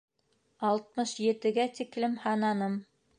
Алтмыш етегә тиклем һананым.